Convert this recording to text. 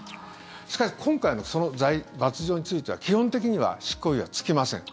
しかし、今回のその罰条については基本的には執行猶予はつきません。